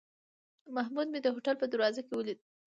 محمود مې د هوټل په دروازه کې ولید.